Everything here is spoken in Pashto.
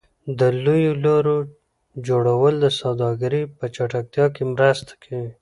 د لویو لارو جوړول د سوداګرۍ په چټکتیا کې مرسته کوي.